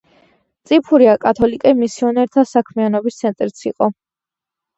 წიფურია კათოლიკე მისიონერთა საქმიანობის ცენტრიც იყო.